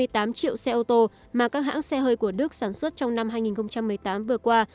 hai mươi tám triệu xe ô tô mà các hãng xe hơi của đức sản xuất trong năm hai nghìn một mươi tám vừa qua